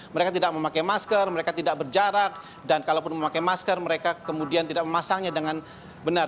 mereka tidak memakai masker mereka tidak berjarak dan kalaupun memakai masker mereka kemudian tidak memasangnya dengan benar